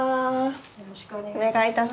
よろしくお願いします。